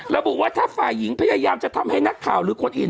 ระบุว่าถ้าฝ่ายหญิงพยายามจะทำให้นักข่าวหรือคนอื่น